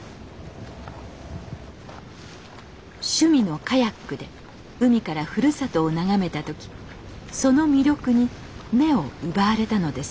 趣味のカヤックで海からふるさとを眺めた時その魅力に目を奪われたのです。